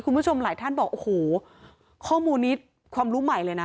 คุณผู้ชมหลายท่านบอกโอ้โหข้อมูลนี้ความรู้ใหม่เลยนะ